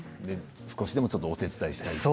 少しでもお手伝いをしたいと。